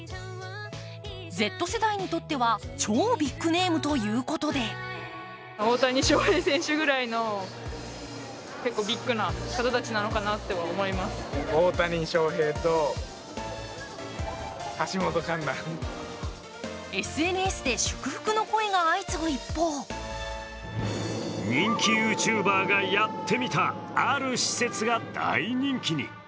Ｚ世代にとっては超ビッグネームということでＳＮＳで祝福の声が相次ぐ一方人気ＹｏｕＴｕｂｅｒがやってきたある施設が人気に。